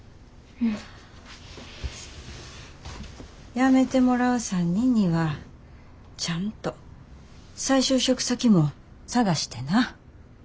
辞めてもらう３人にはちゃんと再就職先も探してな。